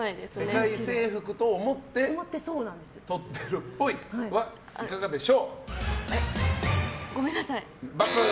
世界征服と思って撮ってるっぽいはごめんなさい。